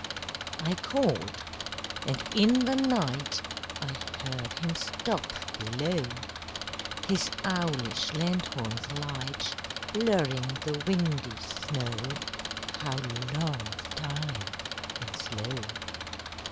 I called. And in the night I heard him stop below, His owlish lanthorn's light Blurring the windy snow How long the time and slow!